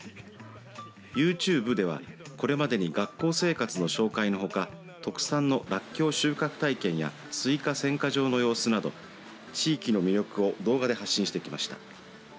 ＹｏｕＴｕ部では、これまでに学校生活の紹介のほか特産のらっきょう収穫体験やスイカ選果場の様子など地域の魅力を動画で発信してきました。